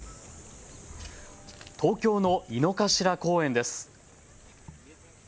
東京の井の頭公園です。